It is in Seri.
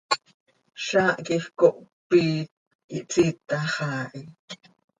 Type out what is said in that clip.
Zaah quij cohpít, ihpsiitax haa hi.